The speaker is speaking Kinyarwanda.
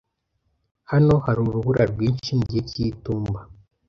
Hano hari urubura rwinshi mu gihe cy'itumba?